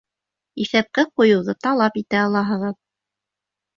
Иҫәпкә ҡуйыуҙы талап итә алаһығыҙ.